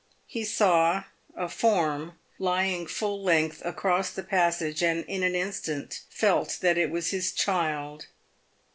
He saw a form lying full length across the passage, and in an instant felt that it was his child.